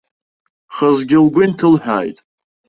Хазгьы лгәы инҭылҳәааит.